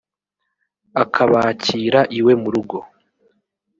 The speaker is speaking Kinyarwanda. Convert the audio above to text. akabakira iwe mu rugo